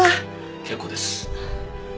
結構です。